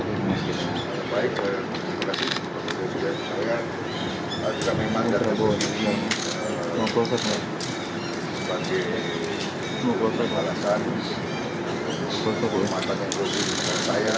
tapi saya kira poin yang penting adalah bisa sampai ke kira kira